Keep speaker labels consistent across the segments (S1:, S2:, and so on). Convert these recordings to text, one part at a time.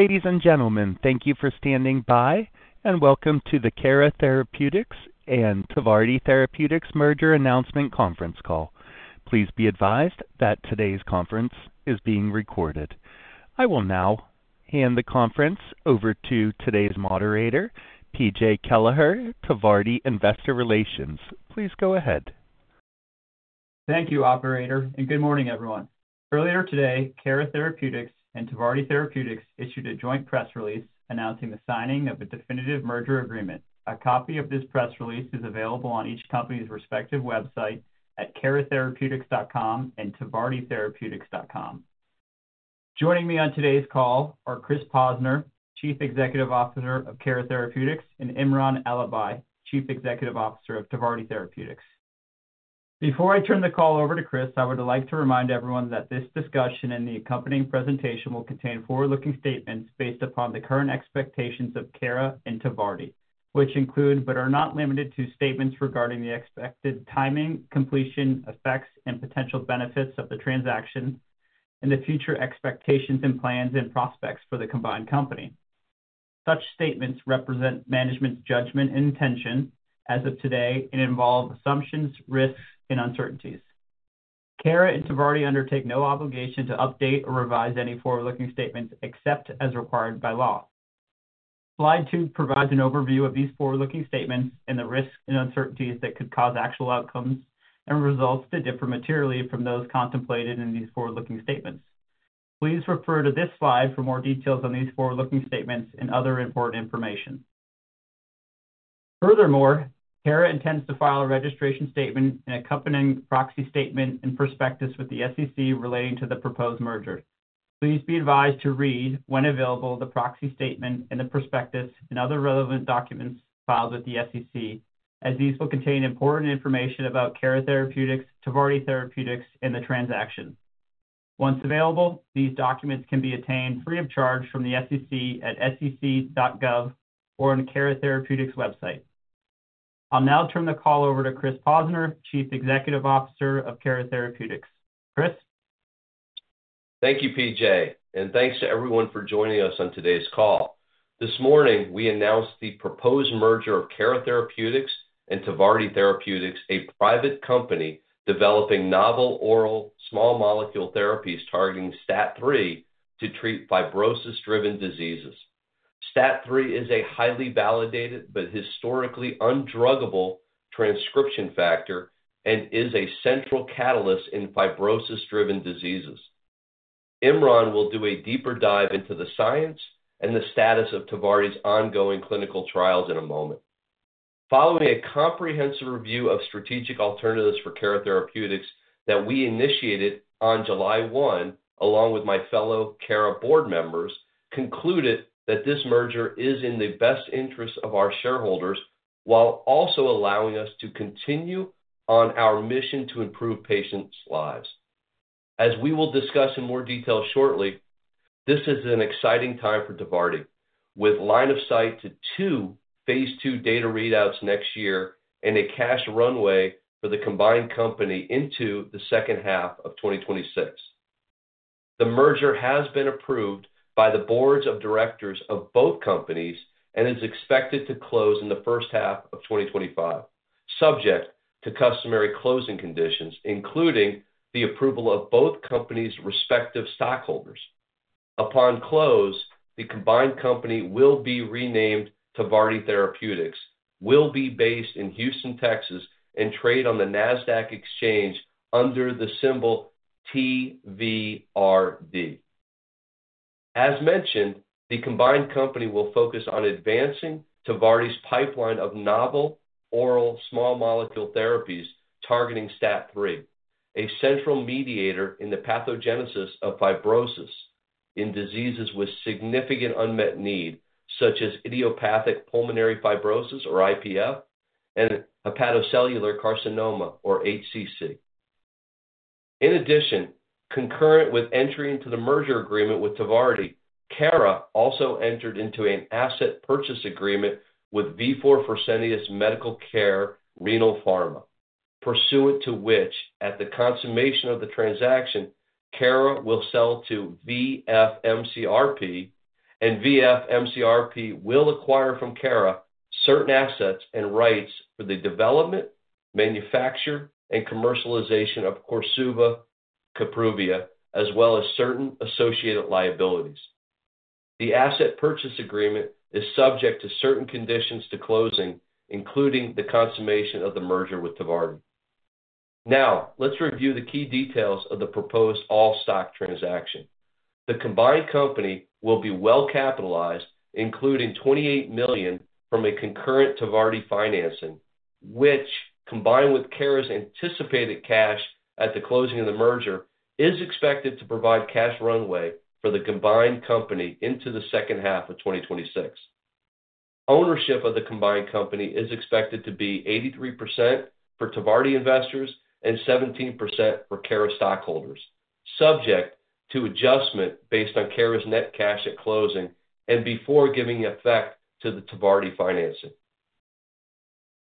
S1: Ladies and gentlemen, thank you for standing by, and welcome to the Cara Therapeutics and Tvardi Therapeutics merger announcement conference call. Please be advised that today's conference is being recorded. I will now hand the conference over to today's moderator, PJ Kelleher, Tvardi Investor Relations. Please go ahead.
S2: Thank you, Operator, and good morning, everyone. Earlier today, Cara Therapeutics and Tvardi Therapeutics issued a joint press release announcing the signing of a definitive merger agreement. A copy of this press release is available on each company's respective website at caratherapeutics.com and tvarditherapeutics.com. Joining me on today's call are Chris Posner, Chief Executive Officer of Cara Therapeutics, and Imran Alibhai, Chief Executive Officer of Tvardi Therapeutics. Before I turn the call over to Chris, I would like to remind everyone that this discussion and the accompanying presentation will contain forward-looking statements based upon the current expectations of Cara and Tvardi, which include but are not limited to statements regarding the expected timing, completion, effects, and potential benefits of the transaction, and the future expectations and plans and prospects for the combined company. Such statements represent management's judgment and intention as of today and involve assumptions, risks, and uncertainties. Cara and Tvardi undertake no obligation to update or revise any forward-looking statements except as required by law. Slide 2 provides an overview of these forward-looking statements and the risks and uncertainties that could cause actual outcomes and results to differ materially from those contemplated in these forward-looking statements. Please refer to this slide for more details on these forward-looking statements and other important information. Furthermore, Cara intends to file a registration statement and accompanying proxy statement and prospectus with the SEC relating to the proposed merger. Please be advised to read, when available, the proxy statement and the prospectus and other relevant documents filed with the SEC, as these will contain important information about Cara Therapeutics, Tvardi Therapeutics, and the transaction. Once available, these documents can be obtained free of charge from the SEC at sec.gov or on Cara Therapeutics' website. I'll now turn the call over to Chris Posner, Chief Executive Officer of Cara Therapeutics. Chris?
S3: Thank you, PJ, and thanks to everyone for joining us on today's call. This morning, we announced the proposed merger of Cara Therapeutics and Tvardi Therapeutics, a private company developing novel oral small-molecule therapies targeting STAT3 to treat fibrosis-driven diseases. STAT3 is a highly validated but historically undruggable transcription factor and is a central catalyst in fibrosis-driven diseases. Imran will do a deeper dive into the science and the status of Tvardi's ongoing clinical trials in a moment. Following a comprehensive review of strategic alternatives for Cara Therapeutics that we initiated on July 1, along with my fellow Cara board members, we concluded that this merger is in the best interest of our shareholders while also allowing us to continue on our mission to improve patients' lives. As we will discuss in more detail shortly, this is an exciting time for Tvardi, with line of sight to two phase II data readouts next year and a cash runway for the combined company into the second half of 2026. The merger has been approved by the boards of directors of both companies and is expected to close in the first half of 2025, subject to customary closing conditions, including the approval of both companies' respective stockholders. Upon close, the combined company will be renamed Tvardi Therapeutics, will be based in Houston, Texas, and trade on the NASDAQ Exchange under the symbol TVRD. As mentioned, the combined company will focus on advancing Tvardi's pipeline of novel oral small-molecule therapies targeting STAT3, a central mediator in the pathogenesis of fibrosis in diseases with significant unmet need, such as idiopathic pulmonary fibrosis, or IPF, and hepatocellular carcinoma, or HCC. In addition, concurrent with entering into the merger agreement with Tvardi, Cara also entered into an asset purchase agreement with Vifor Fresenius Medical Care Renal Pharma, pursuant to which, at the consummation of the transaction, Cara will sell to VFMCRP, and VFMCRP will acquire from Cara certain assets and rights for the development, manufacture, and commercialization of Korsuva, Kapruvia, as well as certain associated liabilities. The asset purchase agreement is subject to certain conditions to closing, including the consummation of the merger with Tvardi. Now, let's review the key details of the proposed all-stock transaction. The combined company will be well-capitalized, including $28 million from a concurrent Tvardi financing, which, combined with Cara's anticipated cash at the closing of the merger, is expected to provide cash runway for the combined company into the second half of 2026. Ownership of the combined company is expected to be 83% for Tvardi investors and 17% for Cara stockholders, subject to adjustment based on Cara's net cash at closing and before giving effect to the Tvardi financing.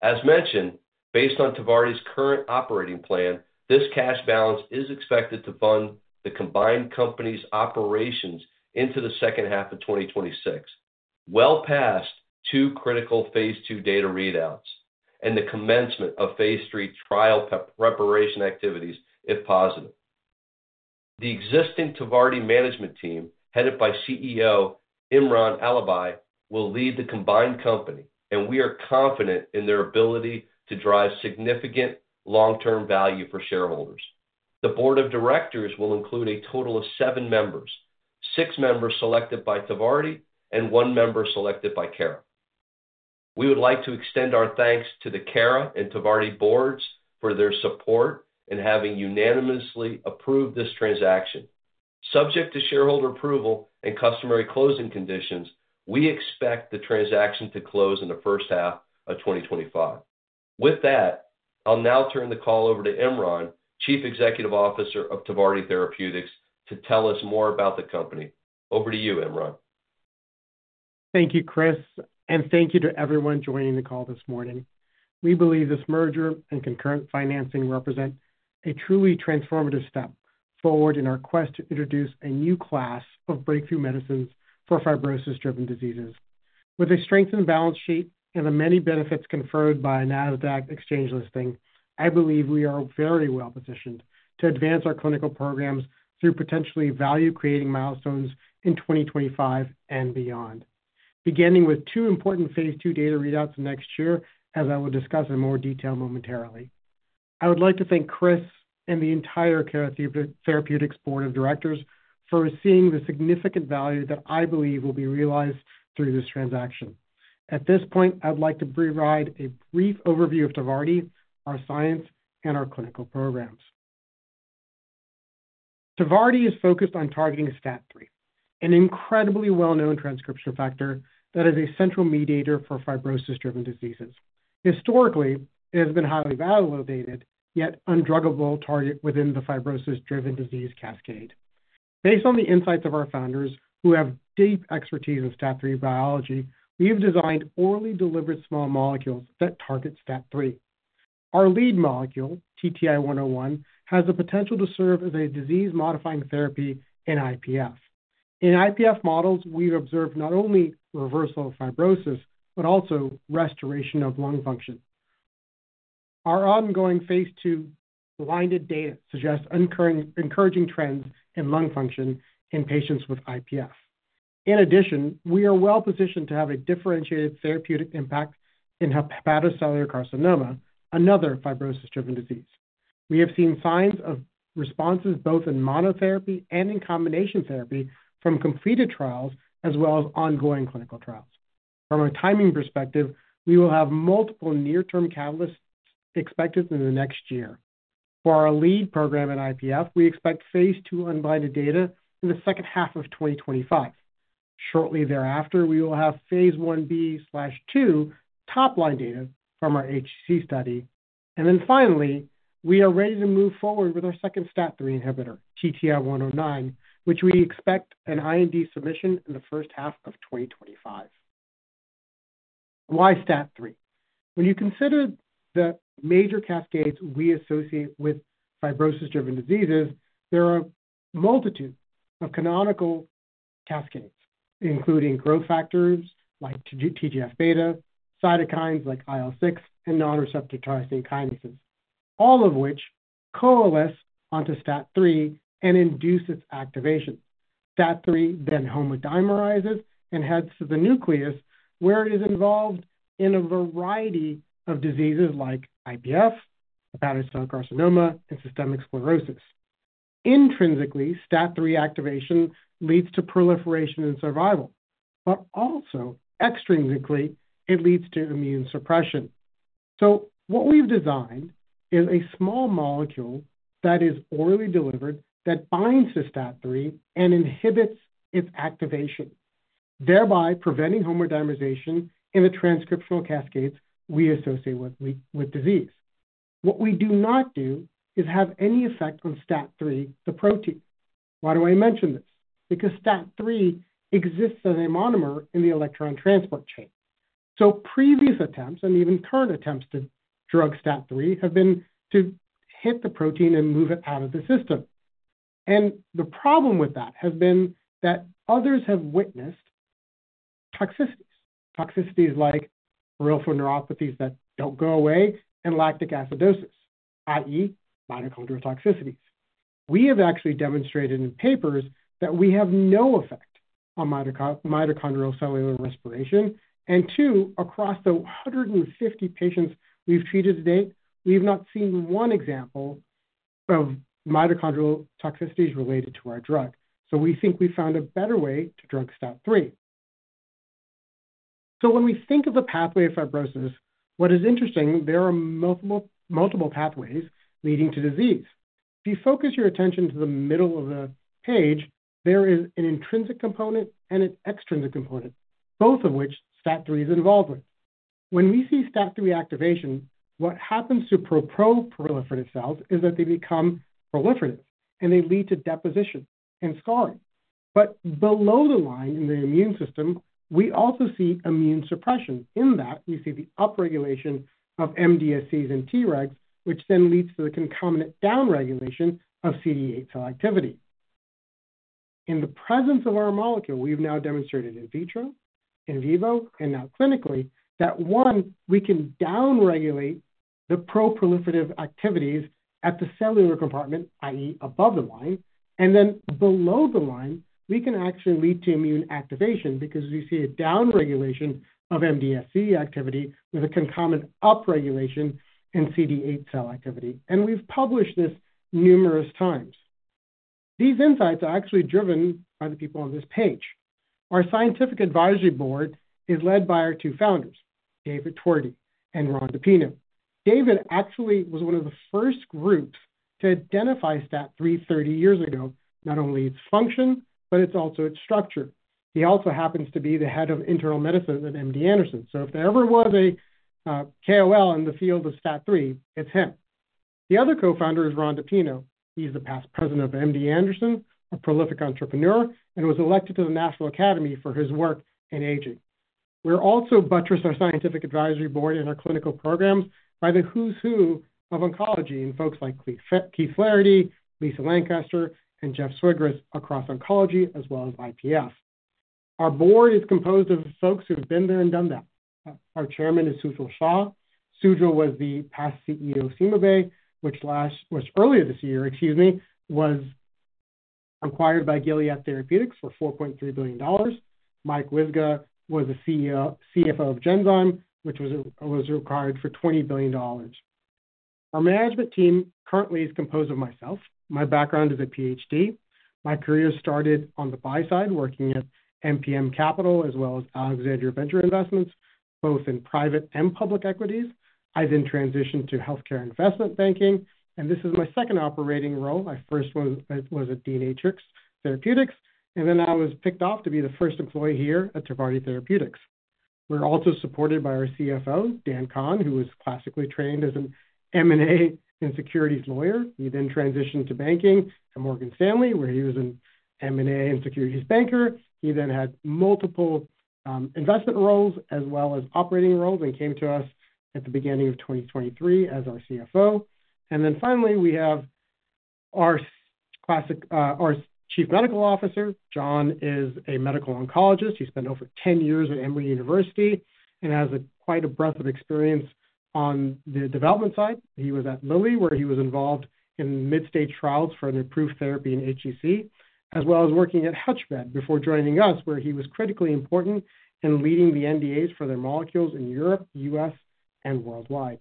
S3: As mentioned, based on Tvardi's current operating plan, this cash balance is expected to fund the combined company's operations into the second half of 2026, well past two critical phase II data readouts and the commencement of phase III trial preparation activities, if positive. The existing Tvardi management team, headed by CEO Imran Alibhai, will lead the combined company, and we are confident in their ability to drive significant long-term value for shareholders. The board of directors will include a total of seven members, six members selected by Tvardi and one member selected by Cara. We would like to extend our thanks to the Cara and Tvardi boards for their support in having unanimously approved this transaction. Subject to shareholder approval and customary closing conditions, we expect the transaction to close in the first half of 2025. With that, I'll now turn the call over to Imran, Chief Executive Officer of Tvardi Therapeutics, to tell us more about the company. Over to you, Imran.
S4: Thank you, Chris, and thank you to everyone joining the call this morning. We believe this merger and concurrent financing represent a truly transformative step forward in our quest to introduce a new class of breakthrough medicines for fibrosis-driven diseases. With a strengthened balance sheet and the many benefits conferred by NASDAQ exchange listing, I believe we are very well-positioned to advance our clinical programs through potentially value-creating milestones in 2025 and beyond, beginning with two important phase 2 data readouts next year, as I will discuss in more detail momentarily. I would like to thank Chris and the entire Cara Therapeutics board of directors for seeing the significant value that I believe will be realized through this transaction. At this point, I'd like to provide a brief overview of Tvardi, our science, and our clinical programs. Tvardi is focused on targeting STAT3, an incredibly well-known transcription factor that is a central mediator for fibrosis-driven diseases. Historically, it has been highly validated, yet undruggable target within the fibrosis-driven disease cascade. Based on the insights of our founders, who have deep expertise in STAT3 biology, we have designed orally-delivered small molecules that target STAT3. Our lead molecule, TTI-101, has the potential to serve as a disease-modifying therapy in IPF. In IPF models, we've observed not only reversal of fibrosis but also restoration of lung function. Our ongoing phase II blinded data suggests encouraging trends in lung function in patients with IPF. In addition, we are well-positioned to have a differentiated therapeutic impact in hepatocellular carcinoma, another fibrosis-driven disease. We have seen signs of responses both in monotherapy and in combination therapy from completed trials as well as ongoing clinical trials. From a timing perspective, we will have multiple near-term catalysts expected in the next year. For our lead program in IPF, we expect phase 2 unblinded data in the second half of 2025. Shortly thereafter, we will have phase 1B/2 top-line data from our HCC study, and then finally, we are ready to move forward with our second STAT3 inhibitor, TTI-109, which we expect an IND submission in the first half of 2025. Why STAT3? When you consider the major cascades we associate with fibrosis-driven diseases, there are a multitude of canonical cascades, including growth factors like TGF-β, cytokines like IL-6, and non-receptor tyrosine kinases, all of which coalesce onto STAT3 and induce its activation. STAT3 then homodimerizes and heads to the nucleus, where it is involved in a variety of diseases like IPF, hepatocellular carcinoma, and systemic sclerosis. Intrinsically, STAT3 activation leads to proliferation and survival, but also extrinsically, it leads to immune suppression. So what we've designed is a small molecule that is orally delivered that binds to STAT3 and inhibits its activation, thereby preventing homodimerization in the transcriptional cascades we associate with disease. What we do not do is have any effect on STAT3, the protein. Why do I mention this? Because STAT3 exists as a monomer in the electron transport chain. So previous attempts, and even current attempts to drug STAT3, have been to hit the protein and move it out of the system. And the problem with that has been that others have witnessed toxicities, toxicities like peripheral neuropathies that don't go away and lactic acidosis, i.e., mitochondrial toxicities. We have actually demonstrated in papers that we have no effect on mitochondrial cellular respiration. Two, across the 150 patients we've treated to date, we have not seen one example of mitochondrial toxicities related to our drug. So we think we found a better way to drug STAT3. So when we think of the pathway of fibrosis, what is interesting, there are multiple pathways leading to disease. If you focus your attention to the middle of the page, there is an intrinsic component and an extrinsic component, both of which STAT3 is involved with. When we see STAT3 activation, what happens to pro-proliferative cells is that they become proliferative, and they lead to deposition and scarring. But below the line in the immune system, we also see immune suppression. In that, we see the upregulation of MDSCs and Tregs, which then leads to the concomitant downregulation of CD8 cell activity. In the presence of our molecule, we've now demonstrated in vitro, in vivo, and now clinically that, one, we can downregulate the pro-proliferative activities at the cellular compartment, i.e., above the line, and then below the line, we can actually lead to immune activation because we see a downregulation of MDSC activity with a concomitant upregulation in CD8 cell activity. And we've published this numerous times. These insights are actually driven by the people on this page. Our scientific advisory board is led by our two founders, David Tweardy and Ron DePinho. David actually was one of the first groups to identify STAT3 30 years ago, not only its function, but its also its structure. He also happens to be the head of internal medicine at MD Anderson. So if there ever was a KOL in the field of STAT3, it's him. The other co-founder is Ron DePinho. He's the past president of MD Anderson, a prolific entrepreneur, and was elected to the National Academy for his work in aging. We're also buttressed by our scientific advisory board and our clinical programs by the who's who of oncology and folks like Keith Flaherty, Lisa Lancaster, and Jeff Swigris across oncology, as well as IPF. Our board is composed of folks who have been there and done that. Our chairman is Sujal Shah. Sujal was the past CEO of CymaBay, which earlier this year, excuse me, was acquired by Gilead Sciences for $4.3 billion. Mike Wyzga was the CFO of Genzyme, which was acquired for $20 billion. Our management team currently is composed of myself. My background is a PhD. My career started on the buy side, working at MPM Capital as well as Alexandria Venture Investments, both in private and public equities. I then transitioned to healthcare investment banking, and this is my second operating role. My first was at DNAtrix, and then I was picked off to be the first employee here at Tvardi Therapeutics. We're also supported by our CFO, Dan Kahn, who was classically trained as an M&A and securities lawyer. He then transitioned to banking at Morgan Stanley, where he was an M&A and securities banker. He then had multiple investment roles as well as operating roles and came to us at the beginning of 2023 as our CFO. And then finally, we have our Chief Medical Officer. John is a medical oncologist. He spent over 10 years at Emory University and has quite a breadth of experience on the development side. He was at Lilly, where he was involved in mid-stage trials for an approved therapy in HCC, as well as working at HUTCHMED before joining us, where he was critically important in leading the NDAs for their molecules in Europe, the U.S., and worldwide.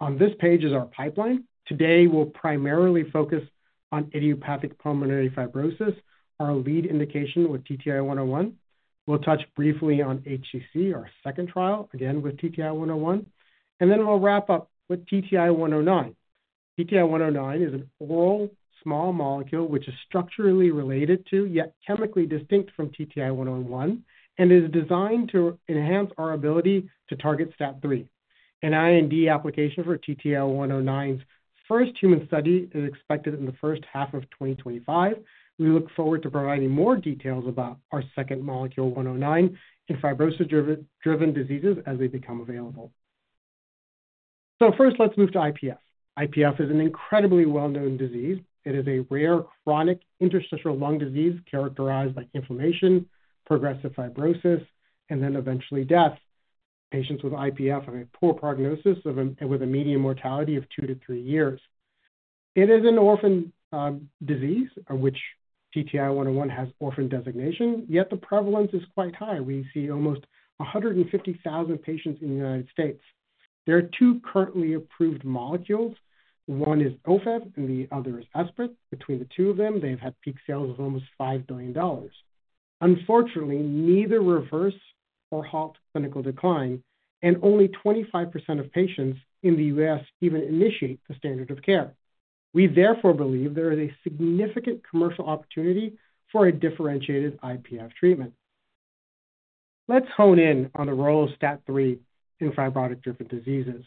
S4: On this page is our pipeline. Today, we'll primarily focus on idiopathic pulmonary fibrosis, our lead indication with TTI-101. We'll touch briefly on HCC, our second trial, again with TTI-101, and then we'll wrap up with TTI-109. TTI-109 is an oral small molecule which is structurally related to, yet chemically distinct from TTI-101, and is designed to enhance our ability to target STAT3. An IND application for TTI-109's first human study is expected in the first half of 2025. We look forward to providing more details about our second molecule, 109, in fibrosis-driven diseases as they become available, so first, let's move to IPF. IPF is an incredibly well-known disease. It is a rare chronic interstitial lung disease characterized by inflammation, progressive fibrosis, and then eventually death. Patients with IPF have a poor prognosis with a median mortality of two to three years. It is an orphan disease, which TTI-101 has orphan designation, yet the prevalence is quite high. We see almost 150,000 patients in the United States. There are two currently approved molecules. One is Ofev, and the other is Esbriet. Between the two of them, they've had peak sales of almost $5 billion. Unfortunately, neither reverse nor halt clinical decline, and only 25% of patients in the U.S. even initiate the standard of care. We therefore believe there is a significant commercial opportunity for a differentiated IPF treatment. Let's hone in on the role of STAT3 in fibrotic-driven diseases.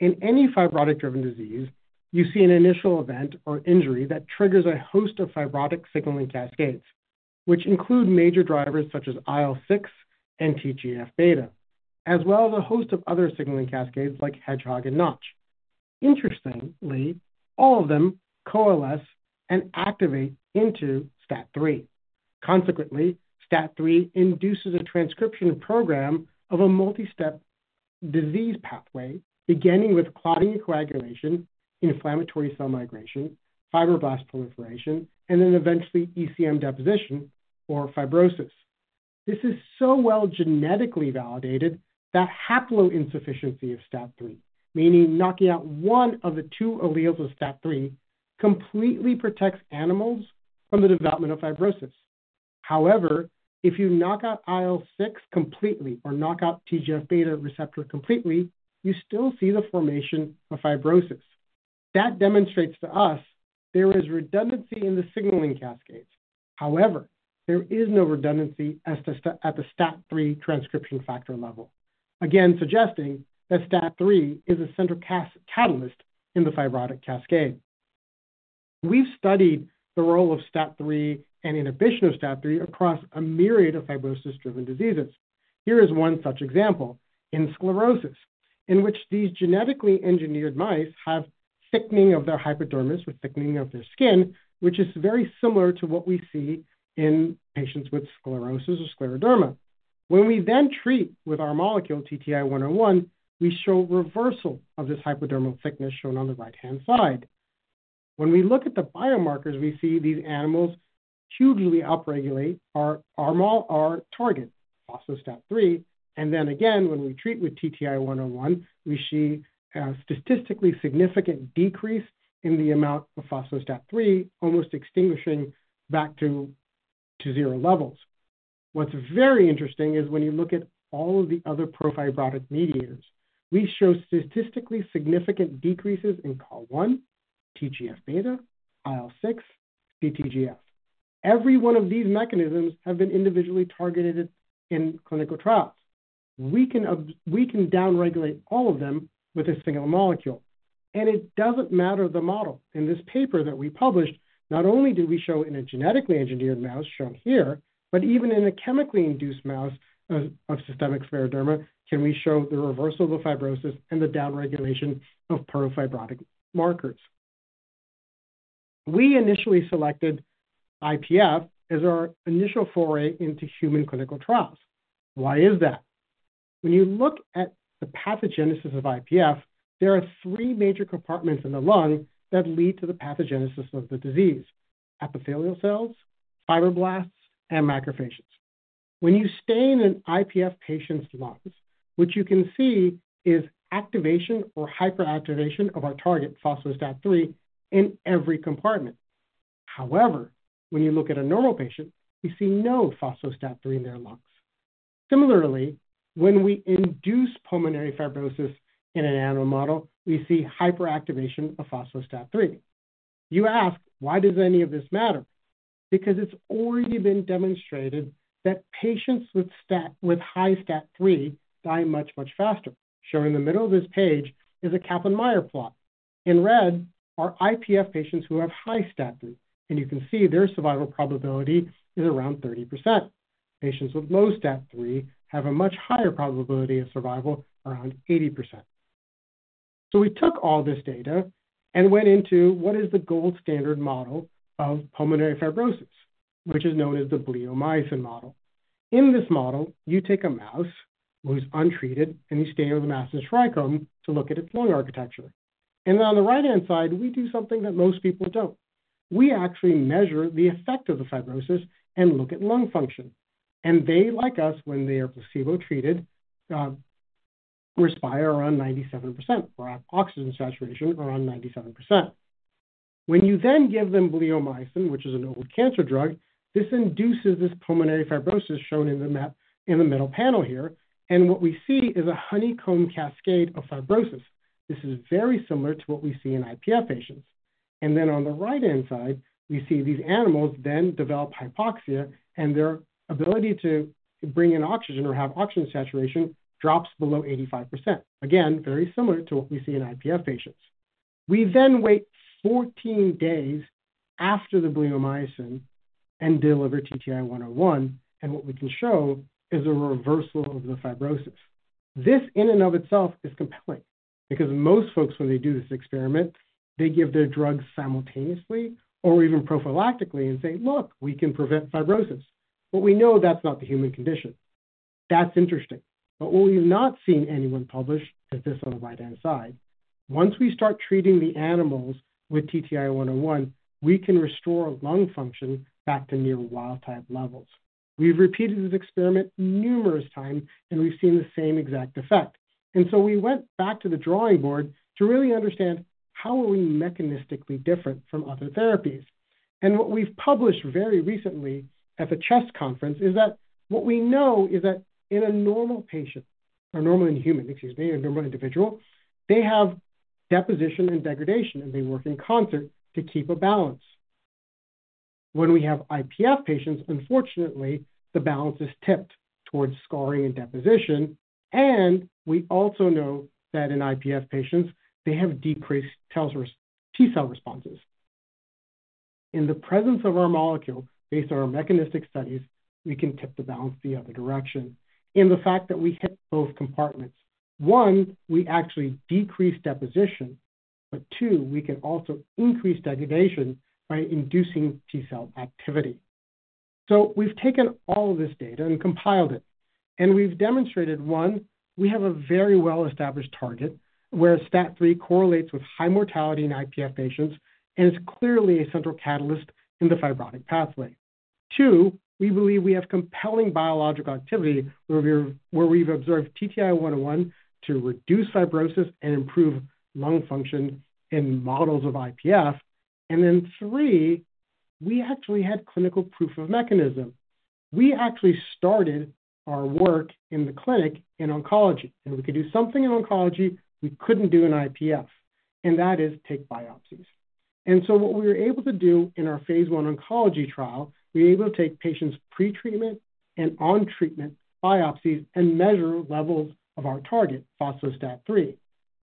S4: In any fibrotic-driven disease, you see an initial event or injury that triggers a host of fibrotic signaling cascades, which include major drivers such as IL-6 and TGF-β, as well as a host of other signaling cascades like Hedgehog and Notch. Interestingly, all of them coalesce and activate into STAT3. Consequently, STAT3 induces a transcription program of a multi-step disease pathway, beginning with clotting and coagulation, inflammatory cell migration, fibroblast proliferation, and then eventually ECM deposition or fibrosis. This is so well genetically validated that haploinsufficiency of STAT3, meaning knocking out one of the two alleles of STAT3, completely protects animals from the development of fibrosis. However, if you knock out IL-6 completely or knock out TGF-β receptor completely, you still see the formation of fibrosis. That demonstrates to us there is redundancy in the signaling cascades. However, there is no redundancy at the STAT3 transcription factor level, again suggesting that STAT3 is a central catalyst in the fibrotic cascade. We've studied the role of STAT3 and inhibition of STAT3 across a myriad of fibrosis-driven diseases. Here is one such example in sclerosis, in which these genetically engineered mice have thickening of their hypodermis or thickening of their skin, which is very similar to what we see in patients with sclerosis or scleroderma. When we then treat with our molecule TTI-101, we show reversal of this hypodermal thickness shown on the right-hand side. When we look at the biomarkers, we see these animals hugely upregulate our target, phospho-STAT3. And then again, when we treat with TTI-101, we see a statistically significant decrease in the amount of phospho-STAT3, almost extinguishing back to zero levels. What's very interesting is when you look at all of the other pro-fibrotic mediators, we show statistically significant decreases in Col1, TGF-β, IL-6, and CTGF. Every one of these mechanisms has been individually targeted in clinical trials. We can downregulate all of them with a single molecule and it doesn't matter the model. In this paper that we published, not only did we show it in a genetically engineered mouse shown here, but even in a chemically induced mouse of systemic scleroderma, can we show the reversal of the fibrosis and the downregulation of pro-fibrotic markers? We initially selected IPF as our initial foray into human clinical trials. Why is that? When you look at the pathogenesis of IPF, there are three major compartments in the lung that lead to the pathogenesis of the disease: epithelial cells, fibroblasts, and macrophages. When you stay in an IPF patient's lungs, what you can see is activation or hyperactivation of our target, phospho-STAT3, in every compartment. However, when you look at a normal patient, we see no phospho-STAT3 in their lungs. Similarly, when we induce pulmonary fibrosis in an animal model, we see hyperactivation of phospho-STAT3. You ask, why does any of this matter? Because it's already been demonstrated that patients with high STAT3 die much, much faster. Shown in the middle of this page is a Kaplan-Meier plot. In red are IPF patients who have high STAT3. And you can see their survival probability is around 30%. Patients with low STAT3 have a much higher probability of survival, around 80%. So we took all this data and went into what is the gold standard model of pulmonary fibrosis, which is known as the bleomycin model. In this model, you take a mouse who's untreated, and you stain with Masson's trichrome to look at its lung architecture, and then on the right-hand side, we do something that most people don't. We actually measure the effect of the fibrosis and look at lung function, and they, like us, when they are placebo-treated, respire around 97% or have oxygen saturation around 97%. When you then give them bleomycin, which is an old cancer drug, this induces this pulmonary fibrosis shown in the middle panel here, and what we see is a honeycombing cascade of fibrosis. This is very similar to what we see in IPF patients, and then on the right-hand side, we see these animals then develop hypoxia, and their ability to bring in oxygen or have oxygen saturation drops below 85%. Again, very similar to what we see in IPF patients. We then wait 14 days after the bleomycin and deliver TTI-101, and what we can show is a reversal of the fibrosis. This, in and of itself, is compelling because most folks, when they do this experiment, they give their drugs simultaneously or even prophylactically and say, "Look, we can prevent fibrosis," but we know that's not the human condition. That's interesting, but what we've not seen anyone publish is this on the right-hand side. Once we start treating the animals with TTI-101, we can restore lung function back to near wild-type levels. We've repeated this experiment numerous times, and we've seen the same exact effect, and so we went back to the drawing board to really understand how are we mechanistically different from other therapies. What we've published very recently at the CHEST conference is that what we know is that in a normal patient, or normal in human, excuse me, a normal individual, they have deposition and degradation, and they work in concert to keep a balance. When we have IPF patients, unfortunately, the balance is tipped towards scarring and deposition. We also know that in IPF patients, they have decreased T cell responses. In the presence of our molecule, based on our mechanistic studies, we can tip the balance the other direction in the fact that we hit both compartments. One, we actually decrease deposition, but two, we can also increase degradation by inducing T cell activity. So we've taken all of this data and compiled it. And we've demonstrated, one, we have a very well-established target where STAT3 correlates with high mortality in IPF patients and is clearly a central catalyst in the fibrotic pathway. Two, we believe we have compelling biological activity where we've observed TTI-101 to reduce fibrosis and improve lung function in models of IPF. And then three, we actually had clinical proof of mechanism. We actually started our work in the clinic in oncology. And we could do something in oncology we couldn't do in IPF, and that is take biopsies. And so what we were able to do in our phase one oncology trial, we were able to take patients' pre-treatment and on-treatment biopsies and measure levels of our target, phospho-STAT3.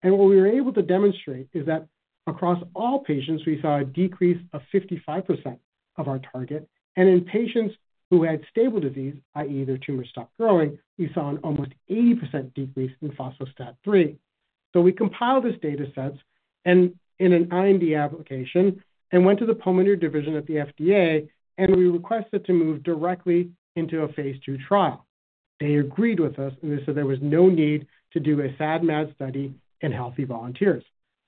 S4: And what we were able to demonstrate is that across all patients, we saw a decrease of 55% of our target. In patients who had stable disease, i.e., their tumor stopped growing, we saw an almost 80% decrease in phospho-STAT3. We compiled this data set in an IND application and went to the pulmonary division at the FDA, and we requested to move directly into a phase II trial. They agreed with us, and they said there was no need to do a SAD/MAD study in healthy volunteers.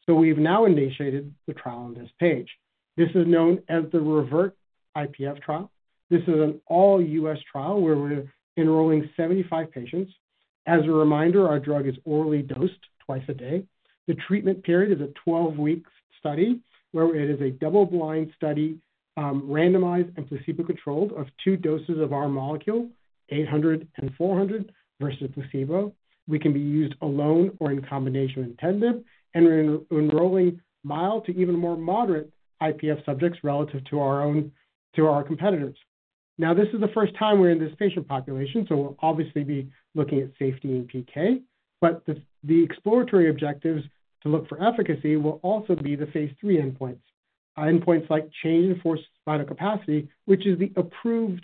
S4: We have now initiated the trial on this page. This is known as the REVERT IPF trial. This is an all-U.S. trial where we are enrolling 75 patients. As a reminder, our drug is orally dosed twice a day. The treatment period is a 12-week study where it is a double-blind study, randomized and placebo-controlled of two doses of our molecule, 800 and 400 versus placebo. We can be used alone or in combination with nintedanib and enrolling mild to even more moderate IPF subjects relative to our competitors. Now, this is the first time we're in this patient population, so we'll obviously be looking at safety and PK. But the exploratory objectives to look for efficacy will also be the phase three endpoints, endpoints like change in forced vital capacity, which is the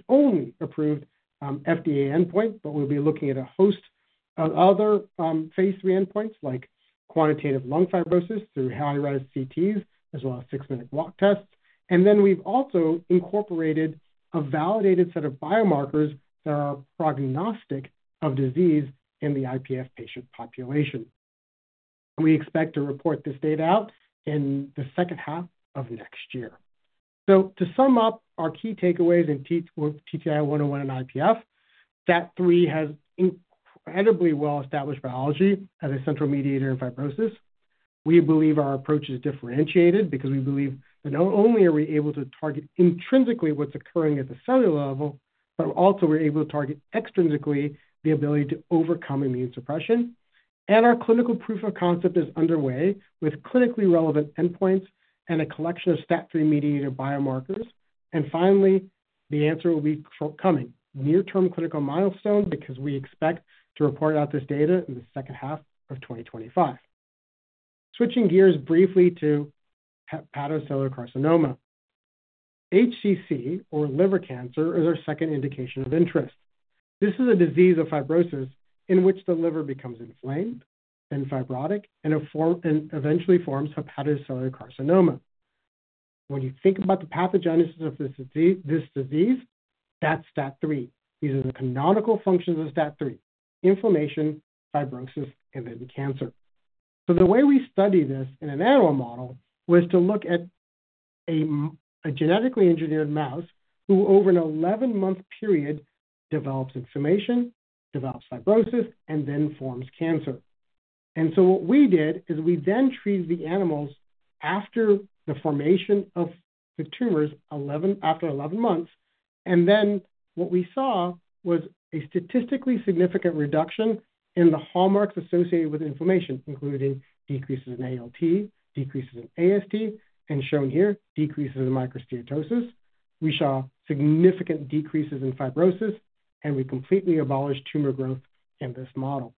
S4: only approved FDA endpoint, but we'll be looking at a host of other phase III endpoints like quantitative lung fibrosis through high-resolution CTs as well as six-minute walk tests. And then we've also incorporated a validated set of biomarkers that are prognostic of disease in the IPF patient population. We expect to report this data out in the second half of next year. To sum up our key takeaways in TTI-101 and IPF, STAT3 has incredibly well-established biology as a central mediator in fibrosis. We believe our approach is differentiated because we believe that not only are we able to target intrinsically what's occurring at the cellular level, but also we're able to target extrinsically the ability to overcome immune suppression. Our clinical proof of concept is underway with clinically relevant endpoints and a collection of STAT3 mediated biomarkers. Finally, the answer will be forthcoming, near-term clinical milestone, because we expect to report out this data in the second half of 2025. Switching gears briefly to hepatocellular carcinoma, HCC, or liver cancer, is our second indication of interest. This is a disease of fibrosis in which the liver becomes inflamed and fibrotic and eventually forms hepatocellular carcinoma. When you think about the pathogenesis of this disease, that's STAT3. These are the canonical functions of STAT3: inflammation, fibrosis, and then cancer, so the way we study this in an animal model was to look at a genetically engineered mouse who, over an 11-month period, develops inflammation, develops fibrosis, and then forms cancer, and so what we did is we then treated the animals after the formation of the tumors after 11 months, and then what we saw was a statistically significant reduction in the hallmarks associated with inflammation, including decreases in ALT, decreases in AST, and shown here, decreases in microsteatosis. We saw significant decreases in fibrosis, and we completely abolished tumor growth in this model,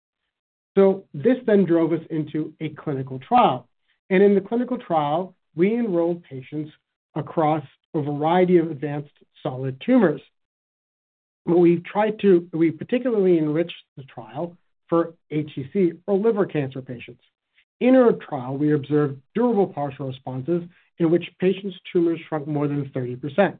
S4: so this then drove us into a clinical trial, and in the clinical trial, we enrolled patients across a variety of advanced solid tumors. We particularly enriched the trial for HCC or liver cancer patients. In our trial, we observed durable partial responses in which patients' tumors shrunk more than 30%.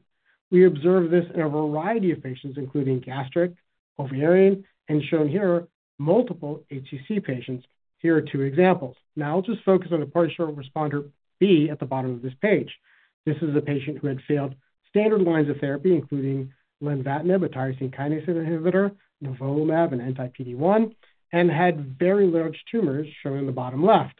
S4: We observed this in a variety of patients, including gastric, ovarian, and shown here, multiple HCC patients. Here are two examples. Now, I'll just focus on the partial responder B at the bottom of this page. This is a patient who had failed standard lines of therapy, including lenvatinib, a tyrosine kinase inhibitor, nivolumab, and anti-PD-1, and had very large tumors shown in the bottom left.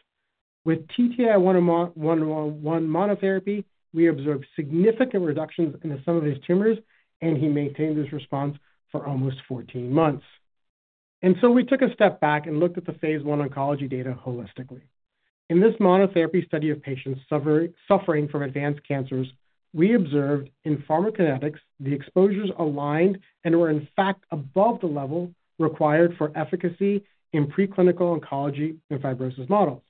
S4: With TTI-101 monotherapy, we observed significant reductions in some of his tumors, and he maintained this response for almost 14 months, and so we took a step back and looked at the phase one oncology data holistically. In this monotherapy study of patients suffering from advanced cancers, we observed, in pharmacokinetics, the exposures aligned and were, in fact, above the level required for efficacy in preclinical oncology and fibrosis models.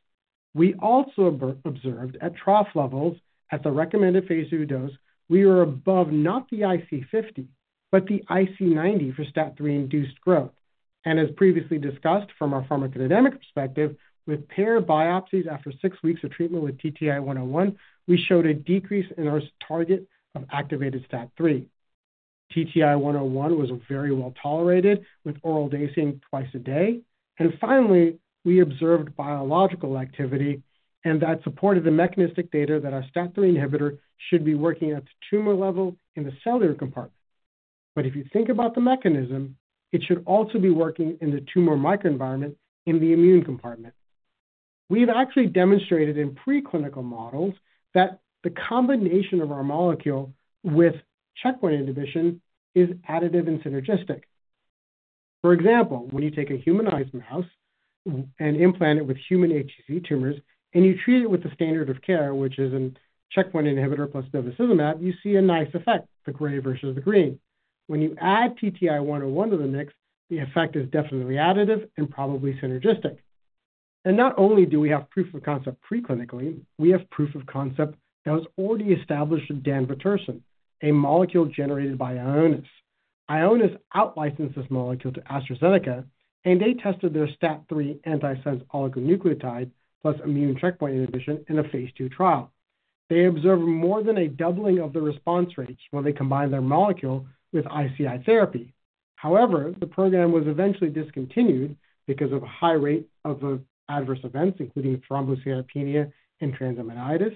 S4: We also observed at trough levels at the recommended phase two dose, we were above, not the IC50, but the IC90 for STAT3-induced growth. And as previously discussed from our pharmacokinetic perspective, with paired biopsies after six weeks of treatment with TTI-101, we showed a decrease in our target of activated STAT3. TTI-101 was very well tolerated with oral dosing twice a day. And finally, we observed biological activity, and that supported the mechanistic data that our STAT3 inhibitor should be working at the tumor level in the cellular compartment, but if you think about the mechanism, it should also be working in the tumor microenvironment in the immune compartment. We've actually demonstrated in preclinical models that the combination of our molecule with checkpoint inhibition is additive and synergistic. For example, when you take a humanized mouse and implant it with human HCC tumors and you treat it with the standard of care, which is a checkpoint inhibitor plus bevacizumab, you see a nice effect, the gray versus the green. When you add TTI-101 to the mix, the effect is definitely additive and probably synergistic. And not only do we have proof of concept preclinically, we have proof of concept that was already established in danvatirsen, a molecule generated by Ionis. Ionis outlicensed this molecule to AstraZeneca, and they tested their STAT3 antisense oligonucleotide plus immune checkpoint inhibition in a phase 11 trial. They observed more than a doubling of the response rates when they combined their molecule with ICI therapy. However, the program was eventually discontinued because of a high rate of adverse events, including thrombocytopenia and transaminitis,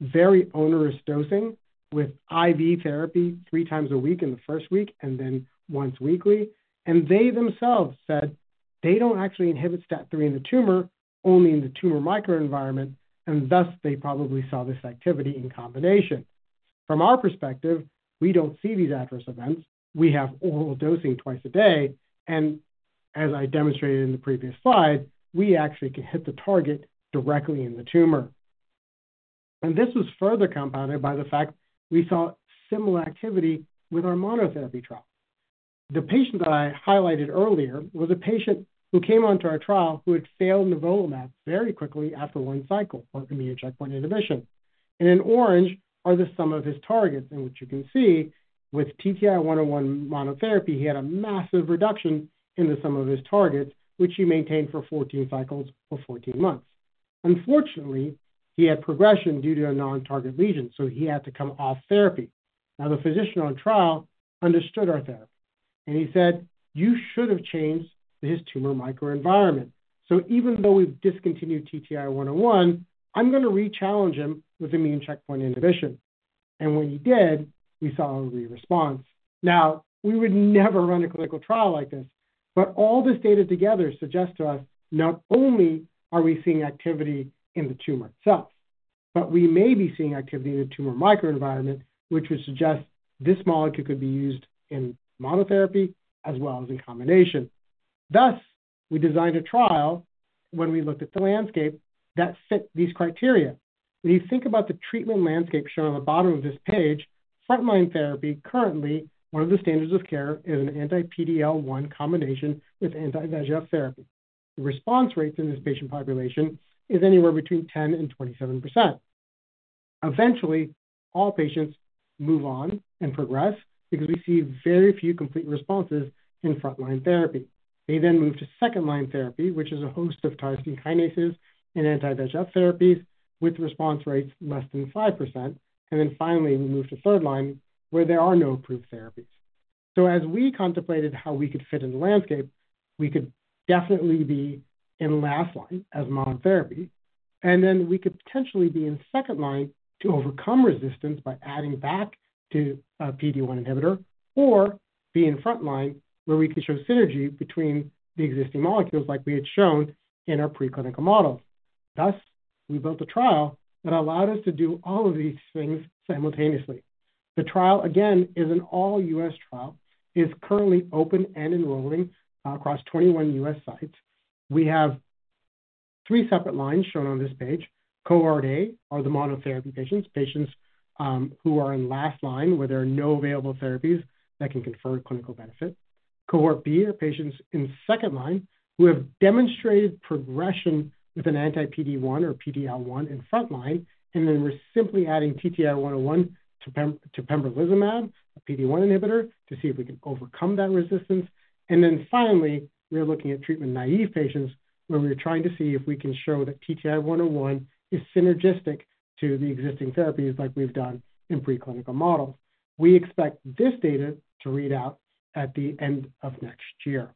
S4: very onerous dosing with IV therapy three times a week in the first week and then once weekly, and they themselves said they don't actually inhibit STAT3 in the tumor, only in the tumor microenvironment, and thus they probably saw this activity in combination. From our perspective, we don't see these adverse events. We have oral dosing twice a day, and as I demonstrated in the previous slide, we actually can hit the target directly in the tumor, and this was further compounded by the fact we saw similar activity with our monotherapy trial. The patient that I highlighted earlier was a patient who came onto our trial who had failed nivolumab very quickly after one cycle for immune checkpoint inhibition. And in orange are the sum of his targets, in which you can see with TTI-101 monotherapy, he had a massive reduction in the sum of his targets, which he maintained for 14 cycles or 14 months. Unfortunately, he had progression due to a non-target lesion, so he had to come off therapy. Now, the physician on trial understood our therapy, and he said, "You should have changed his tumor microenvironment. So even though we've discontinued TTI-101, I'm going to rechallenge him with immune checkpoint inhibition." And when he did, we saw a response. Now, we would never run a clinical trial like this, but all this data together suggests to us not only are we seeing activity in the tumor itself, but we may be seeing activity in the tumor microenvironment, which would suggest this molecule could be used in monotherapy as well as in combination. Thus, we designed a trial when we looked at the landscape that fit these criteria. When you think about the treatment landscape shown on the bottom of this page, frontline therapy currently, one of the standards of care is an anti-PD-L1 combination with anti-VEGF therapy. The response rate in this patient population is anywhere between 10%-27%. Eventually, all patients move on and progress because we see very few complete responses in frontline therapy. They then move to second-line therapy, which is a host of tyrosine kinases and anti-VEGF therapies with response rates less than 5%. And then finally, we move to third line where there are no approved therapies. So as we contemplated how we could fit in the landscape, we could definitely be in last line as monotherapy, and then we could potentially be in second line to overcome resistance by adding back to a PD-1 inhibitor or be in frontline where we could show synergy between the existing molecules like we had shown in our preclinical models. Thus, we built a trial that allowed us to do all of these things simultaneously. The trial, again, is an all-U.S. trial. It is currently open and enrolling across 21 U.S. sites. We have three separate lines shown on this page. Cohort A are the monotherapy patients, patients who are in last line where there are no available therapies that can confer clinical benefit. Cohort B are patients in second line who have demonstrated progression with an anti-PD-1 or PD-L1 in frontline, and then we're simply adding TTI-101 to pembrolizumab, a PD-1 inhibitor, to see if we can overcome that resistance, and then finally, we're looking at treatment naive patients where we're trying to see if we can show that TTI-101 is synergistic to the existing therapies like we've done in preclinical models. We expect this data to read out at the end of next year,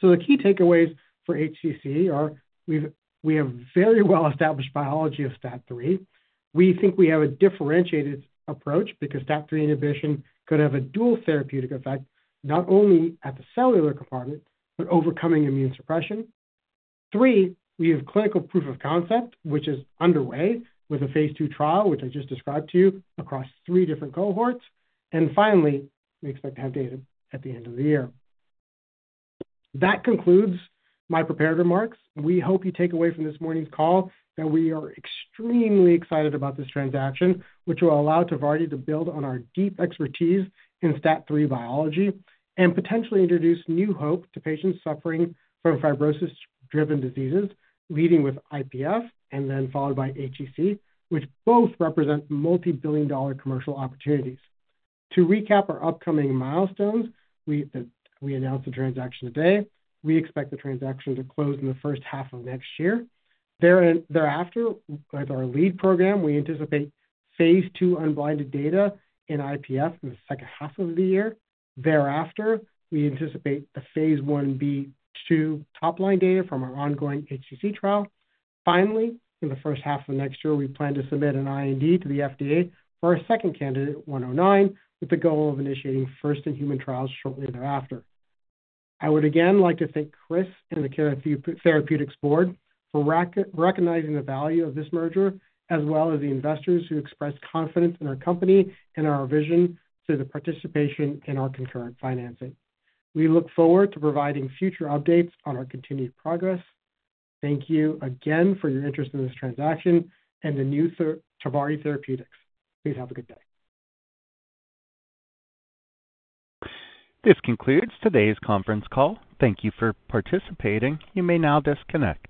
S4: so the key takeaways for HCC are we have very well-established biology of STAT3. We think we have a differentiated approach because STAT3 inhibition could have a dual therapeutic effect, not only at the cellular compartment, but overcoming immune suppression. Three, we have clinical proof of concept, which is underway with a phase two trial, which I just described to you across three different cohorts. And finally, we expect to have data at the end of the year. That concludes my prepared remarks. We hope you take away from this morning's call that we are extremely excited about this transaction, which will allow Tvardi to build on our deep expertise in STAT3 biology and potentially introduce new hope to patients suffering from fibrosis-driven diseases leading with IPF and then followed by HCC, which both represent multi-billion-dollar commercial opportunities. To recap our upcoming milestones, we announced the transaction today. We expect the transaction to close in the first half of next year. Thereafter, with our lead program, we anticipate phase 2 unblinded data in IPF in the second half of the year. Thereafter, we anticipate the phase 1b topline data from our ongoing HCC trial. Finally, in the first half of next year, we plan to submit an IND to the FDA for our second candidate, 109, with the goal of initiating first-in-human trials shortly thereafter. I would again like to thank Chris and the Therapeutics Board for recognizing the value of this merger, as well as the investors who expressed confidence in our company and our vision through the participation in our concurrent financing. We look forward to providing future updates on our continued progress. Thank you again for your interest in this transaction and the new Tvardi Therapeutics. Please have a good day.
S1: This concludes today's conference call. Thank you for participating. You may now disconnect.